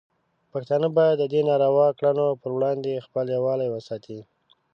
پښتانه باید د دې ناروا کړنو پر وړاندې خپل یووالی وساتي.